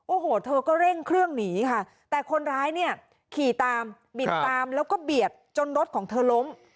โอ้โหเธอก็เร่งเครื่องหนีค่ะแต่คนร้ายเนี่ยขี่ตามบิดตามแล้วก็เบียดจนรถของเธอล้ม